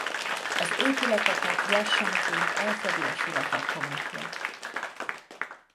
Az épületeket lassanként elfedi a sivatag homokja.